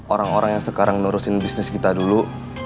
orang orang yang sekarang ngurusin bisnis kita dulu